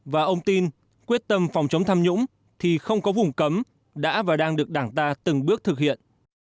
và ông tin quyết tâm phòng chống tham nhũng thì không có vùng cấm đã và đang được đảng ta từng bước thực hiện